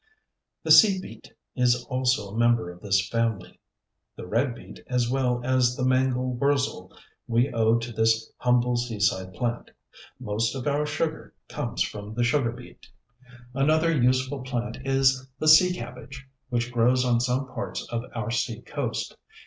The Sea Beet is also a member of this family. The Red Beet, as well as the Mangel wurzel, we owe to this humble seaside plant. Most of our sugar comes from the Sugar beet. Another useful plant is the Sea Cabbage, which grows on some parts of our sea coast.